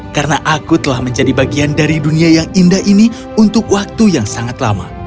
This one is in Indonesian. karena aku telah menjadi bagian dari dunia yang indah ini untuk waktu yang sangat lama